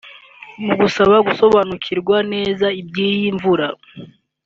Mu gushaka gusobanukirwa neza iby’iyi mvura